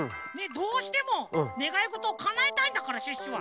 どうしてもねがいごとかなえたいんだからシュッシュは。